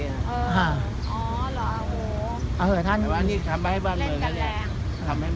เออหรอโหเอาเหอะท่านทำให้แบบเมืองเล่นกันแรง